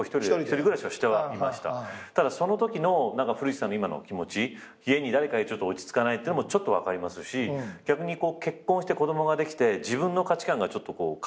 ただそのときの古市さんの今の気持ち家に誰かいるとちょっと落ち着かないってのもちょっと分かりますし逆に結婚して子供ができて自分の価値観がちょっと変わるじゃないですか。